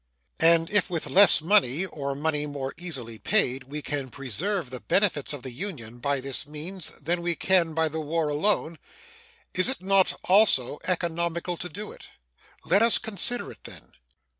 And if with less money, or money more easily paid, we can preserve the benefits of the Union by this means than we can by the war alone, is it not also economical to do it? Let us consider it, then.